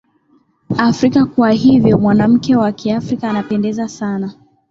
afrika kwa hivyo mwanamke wa kiafrika anapendeza sana